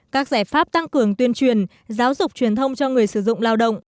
các giải pháp tăng cường tuyên truyền giáo dục truyền thông cho người sử dụng lao động